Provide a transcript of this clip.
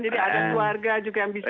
jadi ada keluarga juga yang bisa